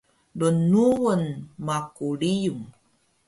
Lnlungun maku riyung